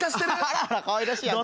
あらあらかわいらしいやんか。